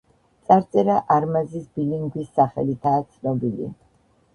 წარწერა არმაზის ბილინგვის სახელითაა ცნობილი.